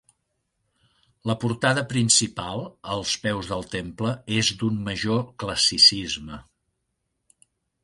La portada principal, als peus del temple, és d'un major classicisme.